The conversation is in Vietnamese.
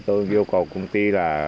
tôi yêu cầu công ty